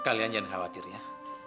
kalian jangan khawatir ya